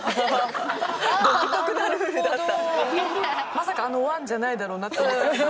まさかあの「ワン」じゃないだろうなって思ったけど。